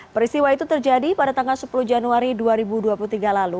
peristiwa itu terjadi pada tanggal sepuluh januari dua ribu dua puluh tiga lalu